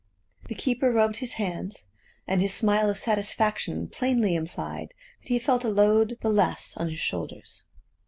The keeper rubbed his hands, and his smile of satisfaction plainly implied that he felt a load the less on his shoulders.